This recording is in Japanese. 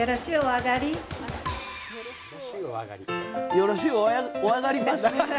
よろしゅうおあがります。